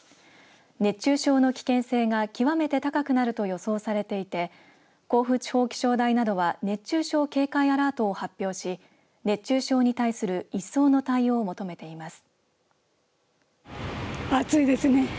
熱中症の危険性が極めて高くなると予想されていて甲府地方気象台などは熱中症警戒アラートを発表し熱中症に対する一層の対応を求めています。